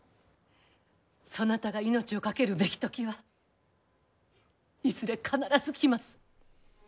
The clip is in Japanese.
そなたが命を懸けるべき時はいずれ必ず来ます。